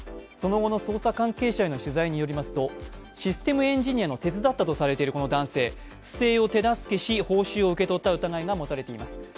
その後の捜査関係者への取材によりますと、システムエンジニアの手伝ったとされているこちらの男性、不正を手助けし、報酬を受け取った疑いが持たれています。